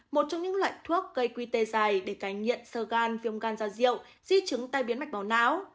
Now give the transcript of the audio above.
một trong những loại thuốc gây quy tê dài để cái nghiện sơ gan phiêu gan da diệu di chứng tai biến mạch báo não